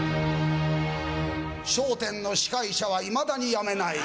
『笑点』の司会者はいまだにやめない。